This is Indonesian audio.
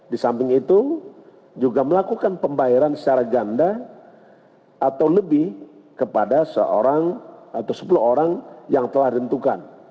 di samping itu juga melakukan pembayaran secara ganda atau lebih kepada seorang atau sepuluh orang yang telah ditentukan